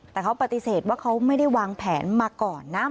แต่เขาปฏิเสธว่าเขาไม่ได้วางแผนมาก่อนนะ